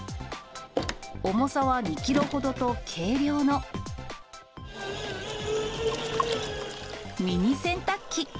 重さは２キロほどと、軽量の、ミニ洗濯機。